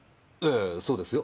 ええそうですよ。